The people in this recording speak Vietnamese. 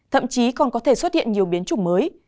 thậm chí còn có thể xuất hiện nhiều biến chủng mới